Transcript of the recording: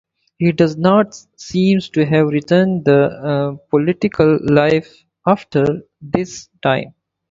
He does not seem to have returned to political life after this time.